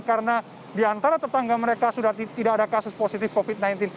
karena di antara tetangga mereka sudah tidak ada kasus positif covid sembilan belas